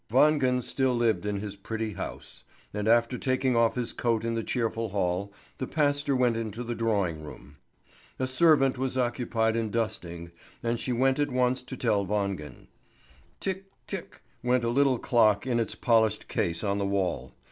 Wangen still lived in his pretty house, and after taking off his coat in the cheerful hall, the pastor went into the drawing room. A servant was occupied in dusting, and she went at once to tell Wangen. Tick! tick! went a little clock in its polished case on the wall.